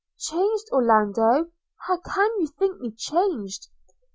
– 'Changed, Orlando! can you think me changed?'